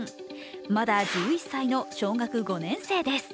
まだ１１歳の小学５年生です。